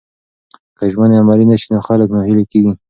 که ژمنې عملي نسي نو خلک ناهیلي کیږي.